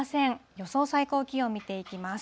予想最高気温見ていきます。